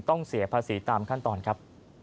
เสียภาษีตามขั้นตอนครับ